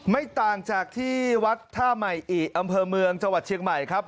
ไม่ต่างจากที่วัดท่าใหม่อิอำเภอเมืองจังหวัดเชียงใหม่ครับ